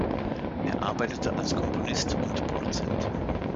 Er arbeitete als Komponist und Produzent.